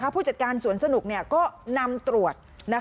ผู้จัดการสวนสนุกก็นำตรวจ